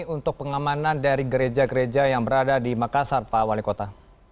untuk pengamanan dari gereja gereja yang berada di makassar pak wali kota